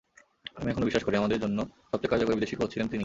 আমি এখনো বিশ্বাস করি, আমাদের জন্য সবচেয়ে কার্যকর বিদেশি কোচ ছিলেন তিনিই।